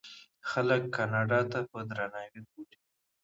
خلک کاناډا ته په درناوي ګوري.